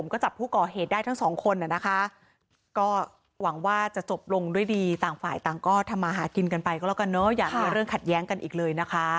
เขาไม่มีประเด็นเลย